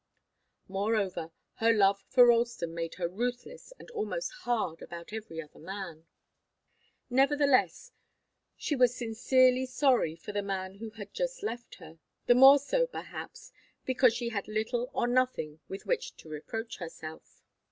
Moreover, her love for Ralston made her ruthless and almost hard about every other man. Nevertheless, she was sincerely sorry for the man who had just left her the more so, perhaps, because she had little or nothing with which to reproach herself.